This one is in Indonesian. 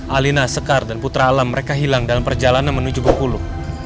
alina sekar dan putra alam mereka hilang dalam perjalanan menuju bengkulu